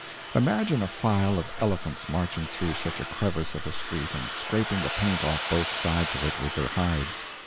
Imagine a file of elephants marching through such a crevice of a street and scraping the paint off both sides of it with their hides.